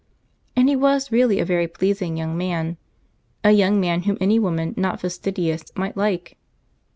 And he was really a very pleasing young man, a young man whom any woman not fastidious might like.